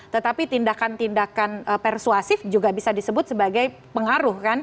tetapi tindakan tindakan persuasif juga bisa disebut sebagai pengaruh kan